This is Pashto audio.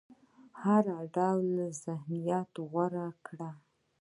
هر ډول ذهنيت غوره کړم.